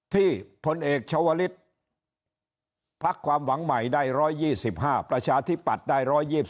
พลเอกชาวลิศพักความหวังใหม่ได้๑๒๕ประชาธิปัตย์ได้๑๒๒